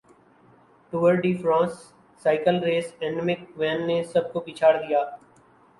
Tour de France cycle race اینمک وین نے سب کو پچھاڑدیا